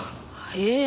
ええ。